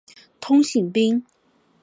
通信兵。